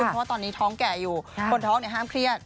เพราะว่าตอนนี้ท้องแก่อยู่คนท้องห้ามเครียด